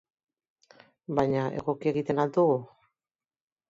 Baina, egoki egiten al dugu?